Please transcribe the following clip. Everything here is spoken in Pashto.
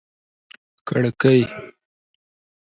کړکۍ